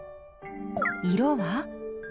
色は？